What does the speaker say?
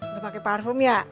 lu pake parfum ya